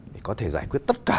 để có thể giải quyết tất cả